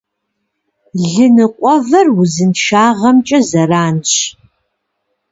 Лы ныкъуэвэр узыншагъэмкӏэ зэранщ.